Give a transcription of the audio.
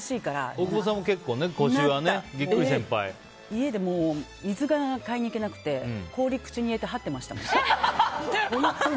家で水が買いに行けなくて氷、口に入れてはってましたもん。